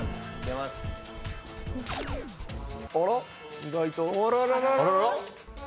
・意外と。